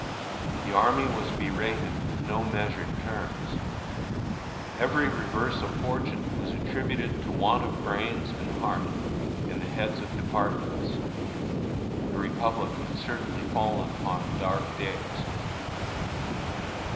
The army was berated with no measured terms. Every reverse of fortune was attributed to a want of brains and heart in the heads of departments. The Republic had certainly fallen upon dark days.